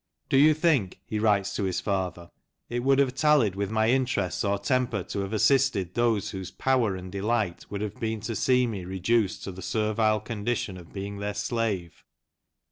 " Do you think," he writes to his father, " it would have tallied with my interests or temper to have assisted those whose power and delight would have been to see me reduced to the servile condition of being their slave